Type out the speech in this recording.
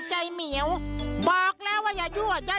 สวัสดีค่ะต่างทุกคน